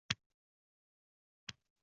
Olov esa tutun bor joyda boʻlishini aytdi